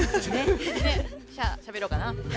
さあ、しゃべろうかな。